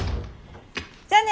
じゃあね。